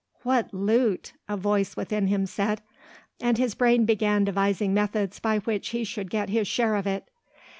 "What loot!" a voice within him said, and his brain began devising methods by which he should get his share of it.